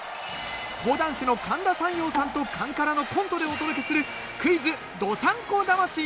講談師の神田山陽さんとカンカラのコントでお届けするクイズどさんこ魂。